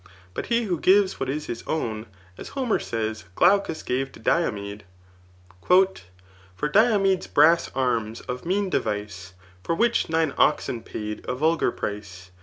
But he who gives what is his own^ a« Homer says Glaucus gave to Diomed, For Diomed's brass arms of mean device. For which nine oxen paid, a vulgar price.